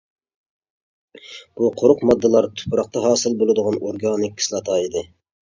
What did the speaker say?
بۇ قۇرۇق ماددىلار تۇپراقتا ھاسىل بولىدىغان ئورگانىك كىسلاتا ئىدى.